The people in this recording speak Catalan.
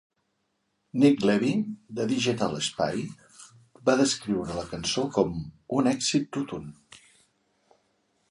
Nick Levine de "Digital Spy" va descriure la cançó com "un èxit rotund.